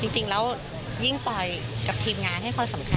จริงแล้วยิ่งปอยกับทีมงานให้ความสำคัญ